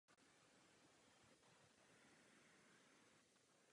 Řada jejích návrhů byla začleněna do textu.